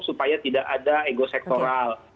supaya tidak ada ego sektoral